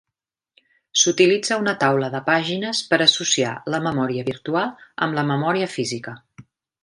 S'utilitza una taula de pàgines per associar la memòria virtual amb la memòria física.